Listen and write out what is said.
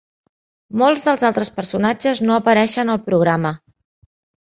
Molts dels altres personatges no apareixen al programa.